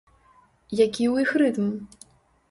Які ў іх рытм?